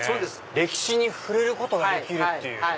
歴史に触れることができるっていう。